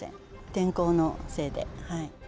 天候のせいで。